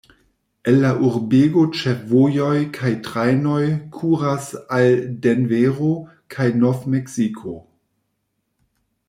El la urbego ĉefvojoj kaj trajnoj kuras al Denvero kaj Nov-Meksiko.